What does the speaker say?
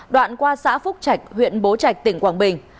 đoạn qua xã phúc trạch huyện bố trạch tỉnh quảng bình